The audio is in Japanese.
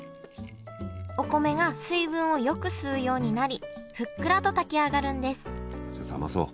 お米が水分をよく吸うようになりふっくらと炊き上がるんですじゃあ冷まそう。